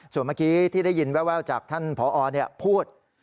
ส่วนเมื่อกี้ที่ได้ยินแววจากท่านผอพูด